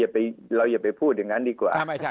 เราอย่าไปพูดอย่างนั้นดีกว่า